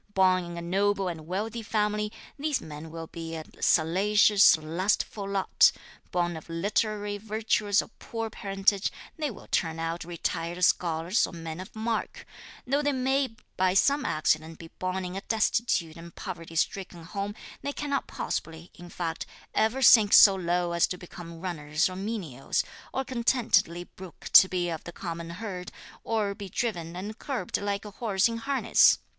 Born in a noble and wealthy family, these men will be a salacious, lustful lot; born of literary, virtuous or poor parentage, they will turn out retired scholars or men of mark; though they may by some accident be born in a destitute and poverty stricken home, they cannot possibly, in fact, ever sink so low as to become runners or menials, or contentedly brook to be of the common herd or to be driven and curbed like a horse in harness.